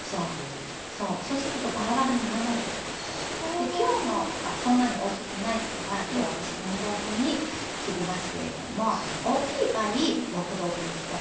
で今日のはそんなに大きくないから今日私４等分に切りますけれども大きい場合６等分に切ったりとかして下さい。